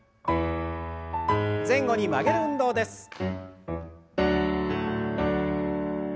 前後に曲げる運動です。